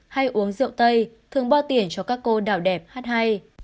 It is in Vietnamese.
hay uống rượu tây thường bo tiền cho các cô đảo đẹp hát hay